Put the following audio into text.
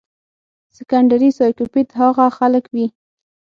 سيکنډري سائکوپېت هاغه خلک وي